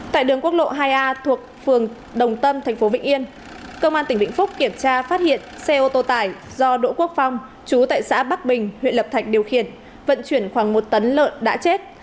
tại đường quốc lộ hai a thuộc phường đồng tâm thành phố vĩnh yên cơ quan tỉnh vĩnh phúc kiểm tra phát hiện xe ô tô tải do độ quốc phòng trú tại xã bắc bình huyện lập thạch điều khiển vận chuyển khoảng một tấn lợn đã chết